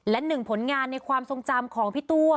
และหนึ่งผลงานในความทรงจำของพี่ตัว